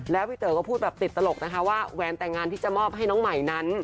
แล้วพี่เต๋อก็พูดแบบติดตลกนะคะว่าแหวนแต่งงานที่จะมอบให้น้องใหม่นั้น